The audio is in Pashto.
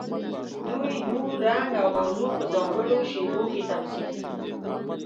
دوی نور، رنګ او موضوع په ځانګړو شیبو کې تمثیل کړي.